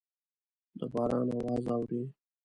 د باران اواز اورئ